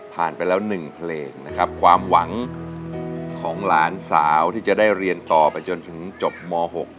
ไปแล้ว๑เพลงนะครับความหวังของหลานสาวที่จะได้เรียนต่อไปจนถึงจบม๖